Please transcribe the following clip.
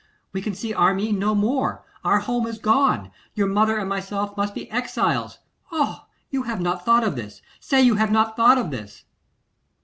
We can see Armine no more; our home is gone. Your mother and myself must be exiles. Oh! you have not thought of this: say you have not thought of this.